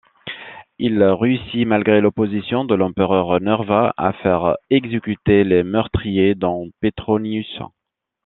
Il réussit, malgré l'opposition de l'empereur Nerva, à faire exécuter les meurtriers, dont Petronius.